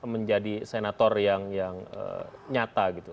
menjadi senator yang nyata gitu